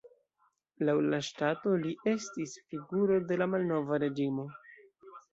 Laŭ la ŝtato li estis figuro de la malnova reĝimo.